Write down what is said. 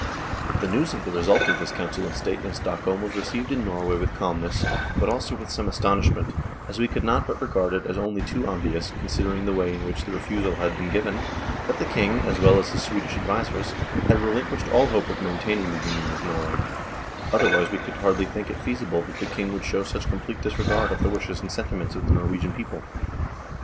The news of the result of this Council of State in Stockholm was received in Norway with calmness, but also with some astonishment, as we could not but regard it as only too obvious, considering the way in which the refusal had been given, that the King, as well as his Swedish advisers, had relinquished all hope of maintaining the Union with Norway ; otherwise we could hardly think it feasible that the King would show such complete disregard of the wishes and senti ments of the Norwegian people.